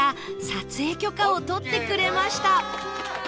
撮影許可を取ってくれました